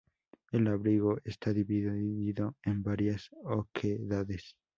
El abrigo está dividido en varias oquedades.